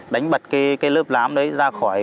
đánh bật cái lớp lám đấy ra khỏi